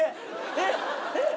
えっ？えっ？